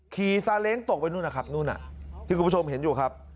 ซาเล้งตกไปนู่นนะครับนู่นที่คุณผู้ชมเห็นอยู่ครับ